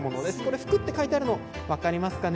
「福」と書いてあるの、分かりますかね。